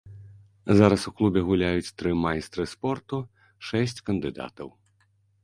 Зараз у клубе гуляюць тры майстры спорту, шэсць кандыдатаў.